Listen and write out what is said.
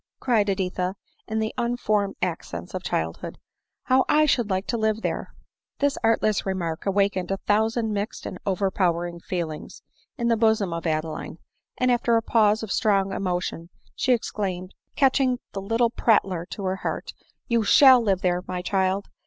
cried Edi tha in the unformed accents of childhood ;—" how I should like to live there !" This artless remark awakened a thousand mixed and overpowering feelings in the bosom of Adeline ; and, after a pause of strong emotion, she exclaimed, catching the litde prattler to her heart —" You shall live there, my child